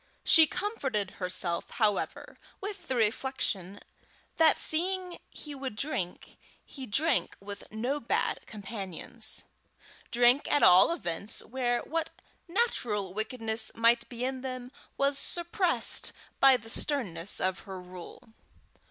She comforted herself, however, with the reflection, that seeing he would drink, he drank with no bad companions drank at all events where what natural wickedness might be in them, was suppressed by the sternness of her rule.